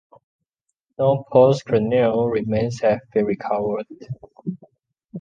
No postcranial remains have been recovered.